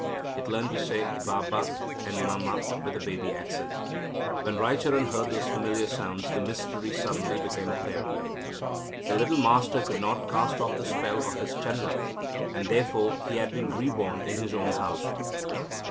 It learnt to say Ba ba and Ma ma with a baby accent. When Raicharan heard those familiar sounds the mystery suddenly became clear. The little Master could not cast off the spell of his Chan na, and therefore he had been reborn in his own house.